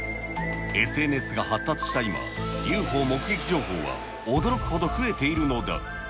ＳＮＳが発達した今、ＵＦＯ目撃情報は驚くほど増えているのだ。